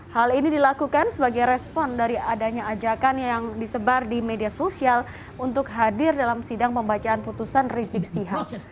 hal ini dilakukan sebagai respon dari adanya ajakan yang disebar di media sosial untuk hadir dalam sidang pembacaan putusan rizik sihab